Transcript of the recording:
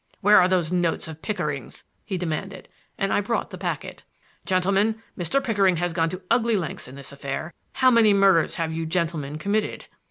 "Where are those notes of Pickering's?" he demanded; and I brought the packet. "Gentlemen, Mr. Pickering has gone to ugly lengths in this affair. How many murders have you gentlemen committed?"